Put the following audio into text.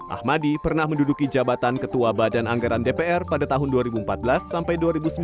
ahmadi pernah menduduki jabatan ketua badan anggaran dpr pada tahun dua ribu empat belas sampai dua ribu sembilan belas